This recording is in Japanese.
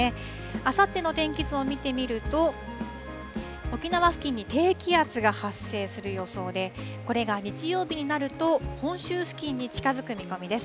あさっての天気図を見てみると沖縄付近に低気圧が発生する予想でこれが日曜日になると本州付近に近づく見込みです。